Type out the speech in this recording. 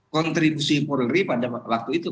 kontribusi polri pada waktu itu